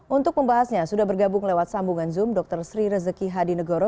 untuk membahasnya sudah bergabung lewat sambungan zoom dr sri rezeki hadinegoro